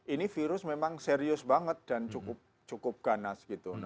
ini virus memang serius banget dan cukup ganas gitu